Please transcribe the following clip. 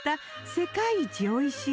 世界一おいしい